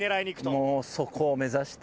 もうそこを目指して。